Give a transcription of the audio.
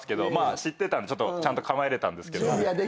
知ってたんでちゃんと構えられたんですけど。